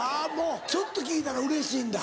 ちょっと聞いたらうれしいんだ。